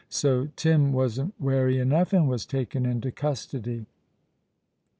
So Tim wasn't wary enough, and was taken into custody.